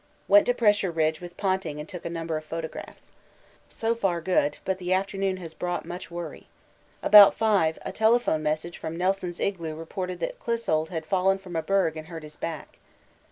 Went to Pressure Ridge with Ponting and took a number of photographs. So far good, but the afternoon has brought much worry. About five a telephone message from Nelson's igloo reported that Clissold had fallen from a berg and hurt his back.